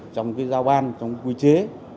trong cái giao ban trong cái quy chế